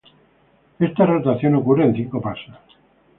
Esta rotación ocurre en cinco pasos.